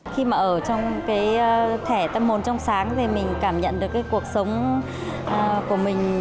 khi mà ở trong cái thẻ tâm hồn trong sáng thì mình cảm nhận được cái cuộc sống của mình